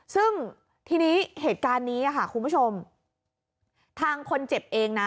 ซึ่งทีนี้เหตุการณ์นี้ค่ะคุณผู้ชมทางคนเจ็บเองนะ